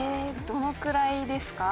どのくらいですか？